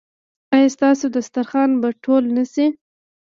ایا ستاسو دسترخوان به ټول نه شي؟